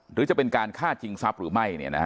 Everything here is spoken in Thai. หรือจะเป็นการฆ่าจริงทรัพย์หรือไม่เนี่ยนะฮะ